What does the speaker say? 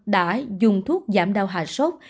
bốn mươi năm đã dùng thuốc giảm đau hạ sốt